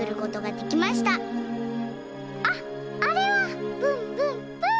「あっあれはぶんぶんぶん！」。